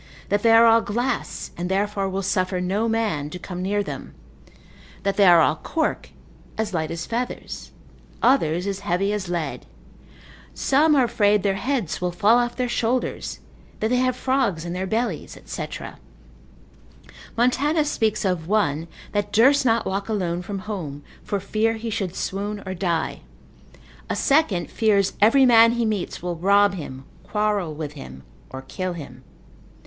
that they are all glass, and therefore will suffer no man to come near them: that they are all cork, as light as feathers; others as heavy as lead; some are afraid their heads will fall off their shoulders, that they have frogs in their bellies, &c. Montanus consil. 23, speaks of one that durst not walk alone from home, for fear he should swoon or die. A second fears every man he meets will rob him, quarrel with him, or kill him.